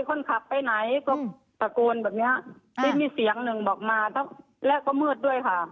คนขับไปไหนก็ตะโกนแบบเนี้ยได้มีเสียงหนึ่งบอกมาแล้วก็มืดด้วยค่ะ